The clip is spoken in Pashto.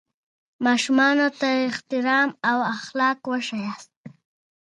ماشومانو ته احترام او اخلاق وښیاست.